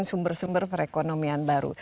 sumber sumber perekonomian baru